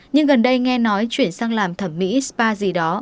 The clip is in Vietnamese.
nhưng gần đây nghe nói chuyển sang làm thẩm mỹ spa gì đó